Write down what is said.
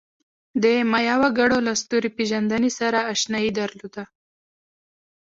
د مایا وګړو له ستوري پېژندنې سره آشنایي درلوده.